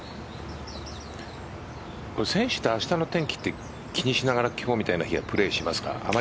選手は明日の天気って気にしながら今日みたいな日はプレーしますか？